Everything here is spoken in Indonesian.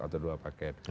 atau dua paket